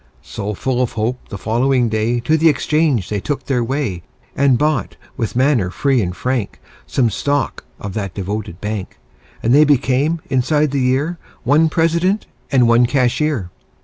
So, full of hope, the following day To the exchange they took their way And bought, with manner free and frank, Some stock of that devoted bank; And they became, inside the year, One President and one Cashier.